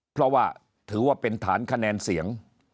เพราะว่าถือว่าเป็นฐานคะแนนเสียง